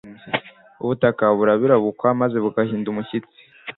ubutaka burabirabukwa maze bugahinda umushyitsi